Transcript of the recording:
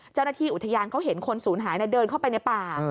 เจ้าหน้าที่อุทยานเขาเห็นคนศูนย์หายเดินเข้าไปในป่า